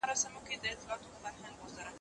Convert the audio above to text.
چي له مځکي تر اسمانه پاچاهان یو